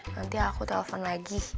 nanti aku telfon lagi